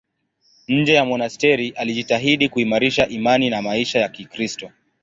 Nje ya monasteri alijitahidi kuimarisha imani na maisha ya Kikristo.